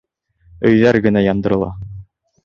Өйҙәр генә яндырыла...